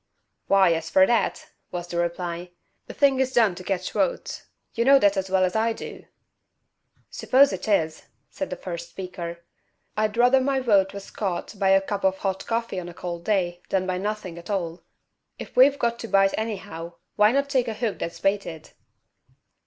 "Why, as fer that," was the reply, "the thing is done to catch votes. You know that as well as I do." "S'pose it is," said the first speaker. "I'd ruther my vote was caught by a cup of hot coffee on a cold day, than by nothin' at all. If we've got to bite anyhow, why not take a hook that's baited?"